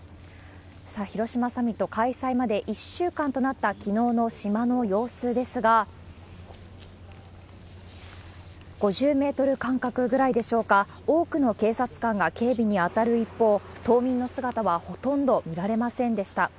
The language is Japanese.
さあ、広島サミット開催まで１週間となったきのうの島の様子ですが、５０メートル間隔ぐらいでしょうか、多くの警察官が警備に当たる一方、島民の姿はほとんど見られませんでした。